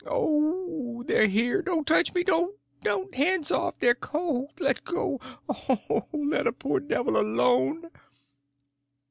Oh, they're here! don't touch me—don't! hands off—they're cold; let go. Oh, let a poor devil alone!"